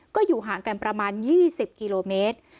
ก็อยู่ห่างกันประมาณ๒๐กิโลเมตร